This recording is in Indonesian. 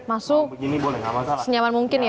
masuk senyaman mungkin ya